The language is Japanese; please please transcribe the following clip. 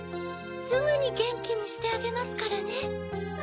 すぐにゲンキにしてあげますからね。